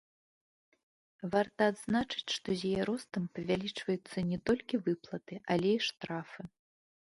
Варта адзначыць, што з яе ростам павялічваюцца не толькі выплаты, але і штрафы.